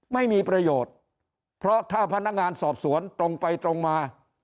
ไม่มีประโยชน์เพราะถ้าพนักงานสอบสวนตรงไปตรงมา